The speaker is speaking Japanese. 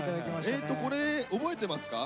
えっとこれ覚えてますか？